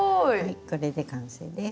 これで完成です。